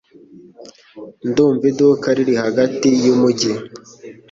Ndumva iduka riri hagati yumujyi